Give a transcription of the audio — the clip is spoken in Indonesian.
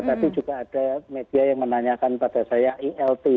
tapi juga ada media yang menanyakan pada saya elp